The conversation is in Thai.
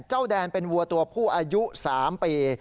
แดนเป็นวัวตัวผู้อายุ๓ปี